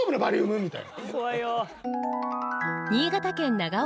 みたいな。